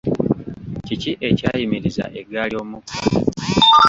Kiki ekyayimiriza eggaali y'omukka?